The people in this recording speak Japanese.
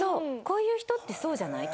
こういう人ってそうじゃない？